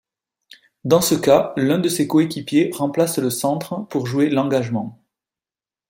Dans ce cas, l'un de ses coéquipiers remplace le centre pour jouer l'engagement.